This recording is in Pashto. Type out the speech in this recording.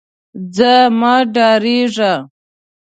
ځه مه ډارېږه.